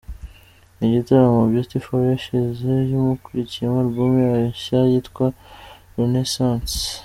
Ni igitaramo Beauty For Ashes yamurikiyemo album yayo nshya yitwa ‘Renaissance’.